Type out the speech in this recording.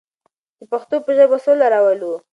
د پښتو په ژبه سوله راولو.